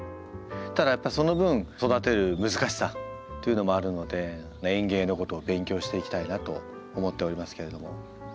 ただやっぱその分育てる難しさというのもあるので園芸のことを勉強していきたいなと思っておりますけれども。